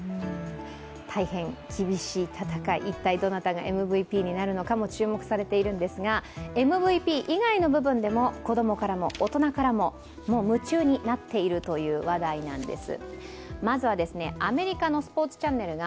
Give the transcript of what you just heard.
大変厳しい戦い、一体どなたがＭＶＰになるのかも注目されているんですが、ＭＶＰ以外の部分でも子供からも大人からも夢中になっているという話題なんです。